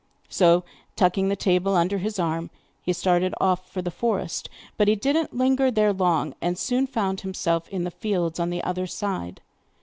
So, tucking the table under his arm, he started off for the forest, but he did not linger there long, and soon found himself in the fields on the other side.